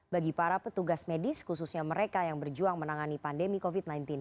bagi para petugas medis khususnya mereka yang berjuang menangani pandemi covid sembilan belas